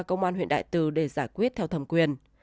công an huyện đại từ để giải quyết theo thẩm quyền